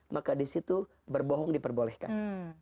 maka disitu berbohong diperbolehkan